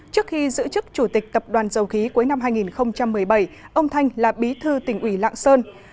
trước khi giữ chức chủ tịch tập đoàn dầu khí cuối năm hai nghìn một mươi bảy ông thanh là bí thư tỉnh ủy lạng sơn